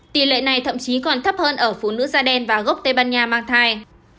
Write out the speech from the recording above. tỷ lệ này thậm chí còn thấp hơn ở phụ nữ da đen và gốc tây ban nha mang thai